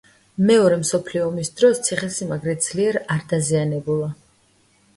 მეორე მსოფლიო ომის დროს ციხესიმაგრე ძლიერ არ დაზიანებულა.